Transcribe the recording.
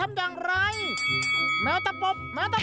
แมวตะปบ